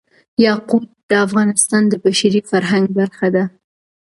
یاقوت د افغانستان د بشري فرهنګ برخه ده.